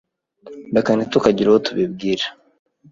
Reka ntitukagire uwo tubibwira.